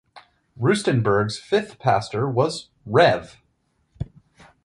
Rustenburg’s fifth pastor was Rev.